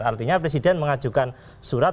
artinya presiden mengajukan surat